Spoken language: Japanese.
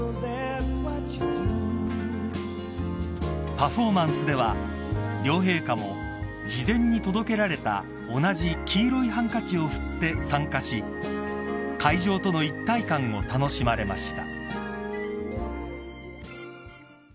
［パフォーマンスでは両陛下も事前に届けられた同じ黄色いハンカチを振って参加し会場との一体感を楽しまれました］